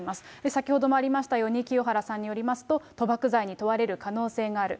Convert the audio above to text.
先ほどもありましたように清原さんによりますと、賭博罪に問われる可能性がある。